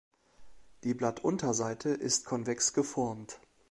Die Blattunterseite ist konvex geformt.